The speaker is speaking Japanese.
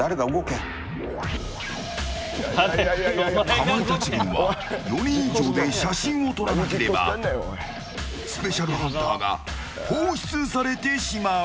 かまいたち軍は４人以上で写真を撮らなければスペシャルハンターが放出されてしまう。